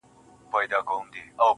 که ستا د غم حرارت ماته رسېدلی نه وای,